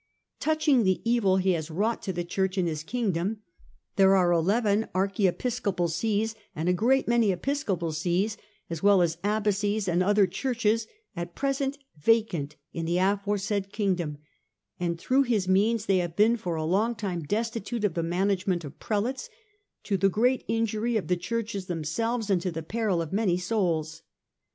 " Touching the evil he has wrought to the Church in his Kingdom, there are eleven archiepiscopal sees and a great many episcopal sees, as well as abbacies and other churches, at present vacant in the aforesaid Kingdom, and through his means they have been for a long time destitute of the management of Prelates, to the great injury of the churches themselves and to the peril of many souls.